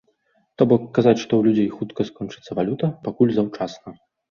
То бок, казаць, што ў людзей хутка скончыцца валюта, пакуль заўчасна.